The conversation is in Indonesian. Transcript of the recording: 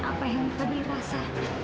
apa yang tadi rasa